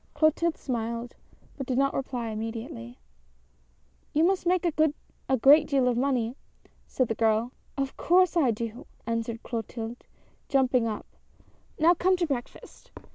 " Clotilde smiled, but did not reply immediately. " You must make a great deal of money," said the girl. " Of course I do !" answered Clotilde, jumping up ; "now come to breakfast!"